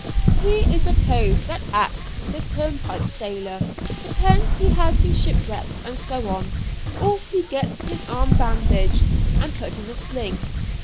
'" "He is a cove that acts the turnpike sailor; pretends he has been shipwrecked, and so on, or he gets his arm bandaged, and put in a sling.